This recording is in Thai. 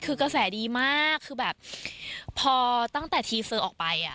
คือกระแสดีมากคือแบบพอตั้งแต่ทีเฟอร์ออกไป